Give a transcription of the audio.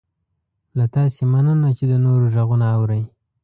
له تاسې مننه چې د نورو غږونه اورئ